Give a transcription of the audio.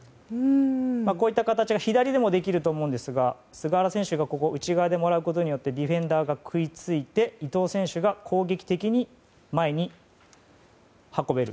こういった形が左でもできると思うんですが菅原選手がここ内側でもらうことによってディフェンダーが食いついて伊東選手が攻撃的に前に運べる。